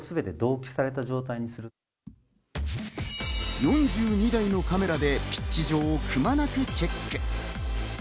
４２台のカメラでピッチ上をくまなくチェック。